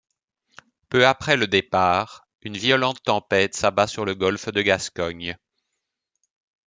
Peu après le départ, une violente tempête s'abat sur le Golfe de Gascogne.